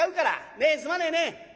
ねえすまねえね。